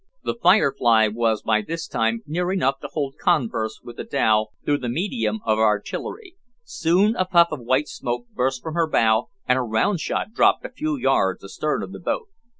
The "Firefly" was by this time near enough to hold converse with the dhow through the medium of artillery. Soon a puff of white smoke burst from her bow, and a round shot dropped a few yards astern of the boat.